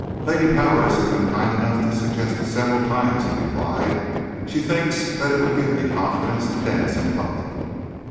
"Lady Powers has been kind enough to suggest it several times," he replied. "She thinks that it would give me confidence to dance in public."